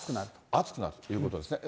暑くなるということですね。